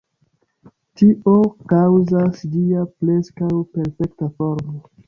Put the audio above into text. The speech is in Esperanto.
Tio kaŭzas ĝia preskaŭ perfekta formo.